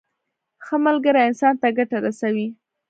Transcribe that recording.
ښه ملګری انسان ته ګټه رسوي.